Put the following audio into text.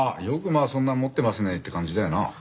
よくまあそんな持ってますねって感じだよな。